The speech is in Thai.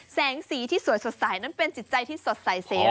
แสงสีที่สวยสดใสนั้นเป็นจิตใจที่สดใสเซลล์